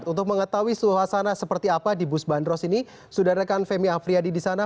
untuk mengetahui suasana seperti apa di bus bandros ini sudah rekan femi afriyadi di sana